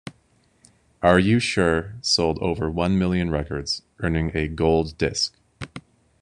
"Are You Sure" sold over one million records, earning a gold disc.